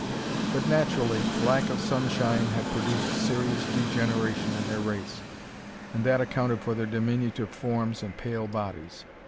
But naturally, lack of sunshine had produced serious degeneration in their race, and that accounted for their diminutive forms and pale bodies.